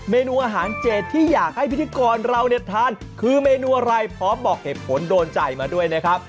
เมนูอาหารเจดที่อยากให้พิธีกรเราเนี่ยทานคือเมนูอะไรพร้อมบอกเหตุผลโดนใจมาด้วยนะครับ